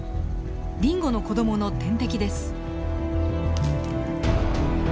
ディンゴの子どもの天敵です。